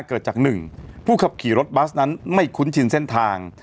เกิดจาก๑ผู้ขับขี่รถบัสนั้นไม่คุ้นชินเส้นทาง